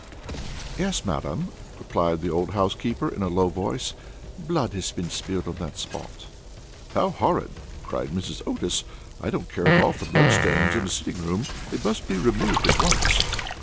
"Yes, madam," replied the old housekeeper in a low voice, "blood has been spilled on that spot." "How horrid!" cried Mrs. Otis; "I don't at all care for blood stains in a sitting room. It must be removed at once."